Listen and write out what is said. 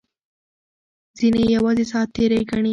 ځینې یې یوازې ساعت تېرۍ ګڼي.